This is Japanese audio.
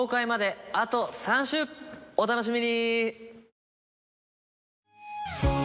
お楽しみに！